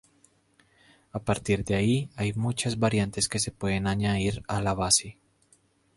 A partir de ahí hay muchas variantes que se pueden añadir a la base.